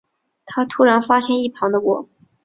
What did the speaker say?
他突然发现一旁的我